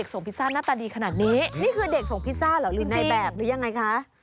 หน้าตาดีขนาดนี้นี่คือเด็กส่งพิซซ่าเหรอหรือในแบบหรือยังไงคะจริง